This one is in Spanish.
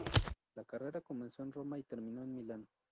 La carrera comenzó en Roma y terminó en Milán.